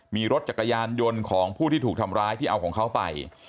มีรถจักรยานยนต์ของผู้ที่ถูกทำร้ายที่เอาของเขาไป